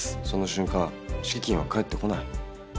その瞬間敷金は返ってこない。